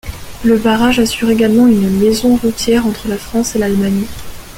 Le barrage assure également une liaison routière entre la France et l'Allemagne.